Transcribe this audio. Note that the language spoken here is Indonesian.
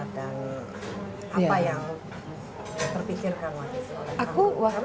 dan apa yang terpikirkan waktu itu